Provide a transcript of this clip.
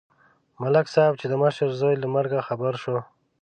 ملک صاحب چې د مشر زوی له مرګه خبر شو.